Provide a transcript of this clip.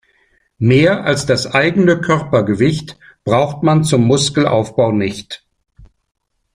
Mehr als das eigene Körpergewicht braucht man zum Muskelaufbau nicht.